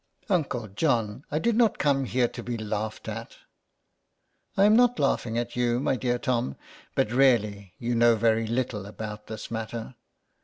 Uncle John, I did not come here to be laughed at." " I am not laughing at you, my dear Tom ; but really you know very little about this matter."